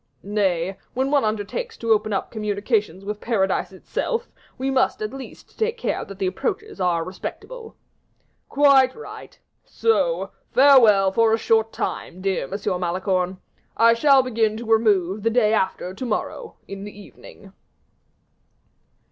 "Nay; when one undertakes to open up communications with paradise itself, we must at least take care that the approaches are respectable." "Quite right; so farewell for a short time, dear M. Malicorne. I shall begin to remove the day after to morrow, in the evening."